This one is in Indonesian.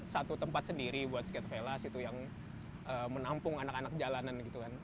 satu tempat sendiri buat skatevelas itu yang menampung anak anak jalanan